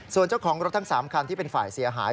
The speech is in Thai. ส่วนเจ้าของรถทั้ง๓คันที่เป็นฝ่ายเสียหาย